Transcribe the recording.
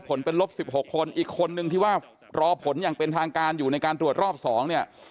ผลเป็นลบ๑๖คนอีกคนนึงที่ว่ารอผลอย่างเป็นทางการอยู่ในการตรวจรอบ๒เนี่ย